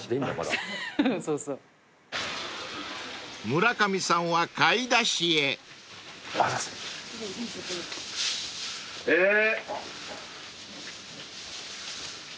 ［村上さんは買い出しへ］えぇー。